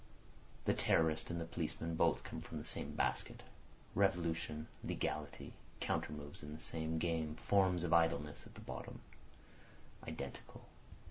The terrorist and the policeman both come from the same basket. Revolution, legality—counter moves in the same game; forms of idleness at bottom identical.